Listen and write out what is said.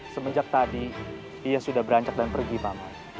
semenjak tadi dia sudah berancak dan pergi pak ahmad